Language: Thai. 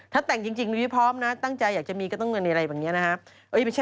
ถ้าแต่งจริงพร้อมนะตั้งใจอยากจะมีก็ต้องมีอะไรแบบนี้นะฮะ